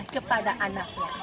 dan juga seorang anaknya